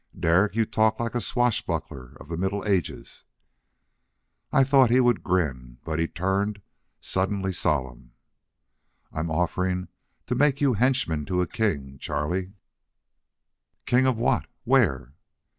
"Derek, you talk like a swashbuckler of the middle ages." I thought he would grin, but he turned suddenly solemn. "I'm offering to make you henchman to a king, Charlie." "King of what? Where?"